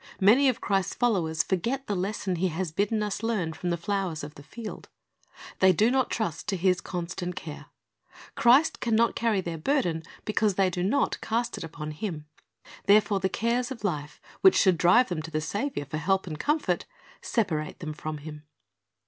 Many of Christ's followers forget the lesson He has bidden us learn from the flowers of the field. They do not trust to His constant care. Christ can not carry their burden, because they do not cast it upon Him. Therefore the cares of life, which should drive them to the Saviour for help and comfort, separate them from Him.